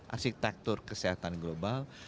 arsitektur kesehatan global